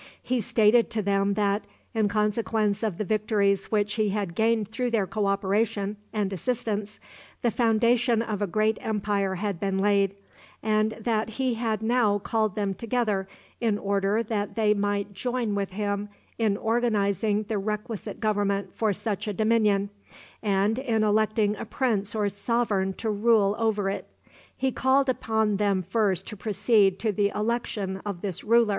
He stated to them that, in consequence of the victories which he had gained through their co operation and assistance, the foundation of a great empire had been laid, and that he had now called them together in order that they might join with him in organizing the requisite government for such a dominion, and in electing a prince or sovereign to rule over it. He called upon them first to proceed to the election of this ruler.